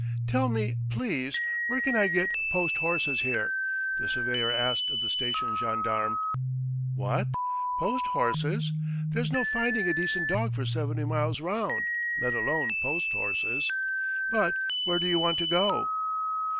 "Tell me, please, where can I get post horses here?" the surveyor asked of the station gendarme. "What? Post horses? There's no finding a decent dog for seventy miles round, let alone post horses. ... But where do you want to go?"